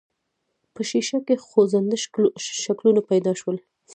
په ښيښه کې خوځنده شکلونه پيدا شول.